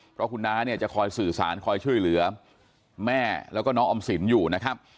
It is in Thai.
เพราะคุณน้าเนี่ยจะคอยสื่อสารคอยช่วยเหลือแม่แล้วก็น้องออมสินอยู่นะครับ